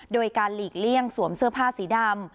โดยการหลีกเลี่ยงสวมเสื้อผ้าสีดำ